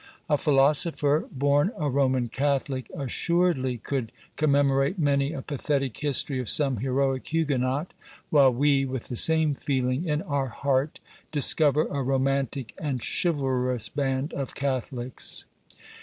A philosopher, born a Roman Catholic, assuredly could commemorate many a pathetic history of some heroic Huguenot; while we, with the same feeling in our heart, discover a romantic and chivalrous band of Catholics.